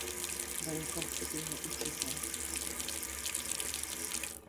Byl synem venkovského učitele.